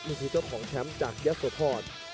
หนึ่งติดต้นของแชมป์จากยาโสพล